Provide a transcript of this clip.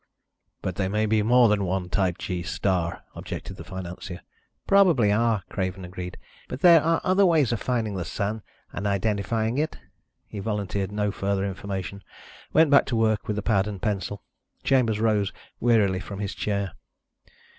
"But there may be more than one type G star," objected the financier. "Probably are," Craven agreed, "but there are other ways of finding the Sun and identifying it." He volunteered no further information, went back to work with the pad and pencil. Chambers rose wearily from his chair.